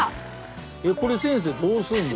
これ先生どうすんの？